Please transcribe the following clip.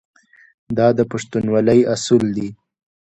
دا د پښتونولۍ اصول دي.